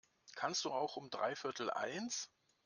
Kannst du auch um dreiviertel eins?